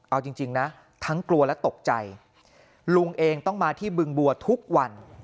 เอาจริงนะทั้งกลัวและตกใจลุงเองต้องมาที่บึงบัวทุกวัน